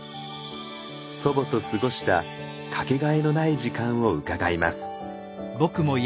祖母と過ごした掛けがえのない時間を伺います。